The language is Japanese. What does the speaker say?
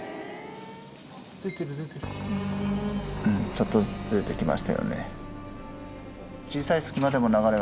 ちょっとずつ出てきましたよね。